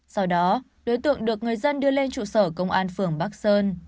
sau đó đối tượng được người dân đưa lên trụ sở công an phường bắc sơn